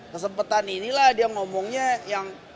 kesempatan inilah dia ngomongnya yang